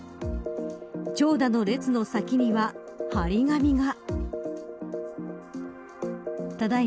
長蛇の列の先には張り紙が。